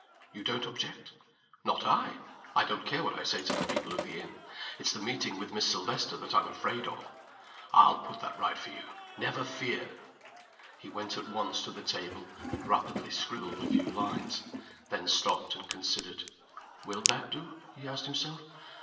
"You don't object?" "Not I! I don't care what I say to the people of the inn. It's the meeting with Miss Silvester that I'm afraid of." "I'll put that right for you never fear!" He went at once to the table and rapidly scribbled a few lines then stopped and considered. "Will that do?" he asked himself.